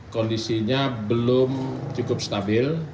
kondisinya belum cukup stabil